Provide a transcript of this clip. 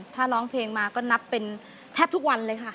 ถ้าร้องเพลงมาก็นับเป็นแทบทุกวันเลยค่ะ